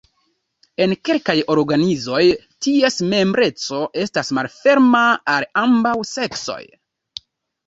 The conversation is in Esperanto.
En kelkaj organizoj, ties membreco estas malferma al ambaŭ seksoj.